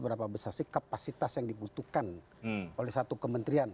berapa besar sih kapasitas yang dibutuhkan oleh satu kementerian